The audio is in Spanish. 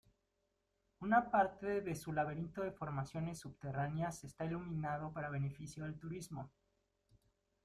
Una parte de su laberinto de formaciones subterráneas está iluminado para beneficio del turismo.